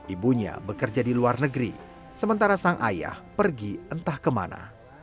ibunya bekerja di luar negeri sementara sang ayah pergi entah kemana